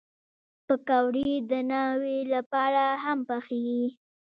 پکورې د ناوې لپاره هم پخېږي